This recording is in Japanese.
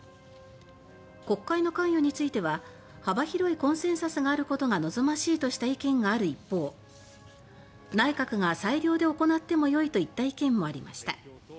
国会の関与については「幅広いコンセンサスがあることが望ましい」とした意見がある一方「内閣が裁量で行ってもよい」といった意見もありました。